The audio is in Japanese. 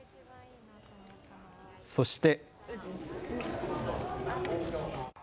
そして。